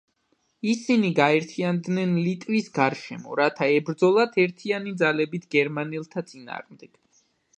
ისინი გაერთიანდნენ ლიტვის გარშემო რათა ებრძოლათ ერთიანი ძალებით გერმანელთა წინააღმდეგ.